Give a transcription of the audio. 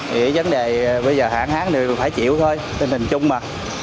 vì vấn đề bây giờ hạn hán thì phải chịu thôi tình hình chung mà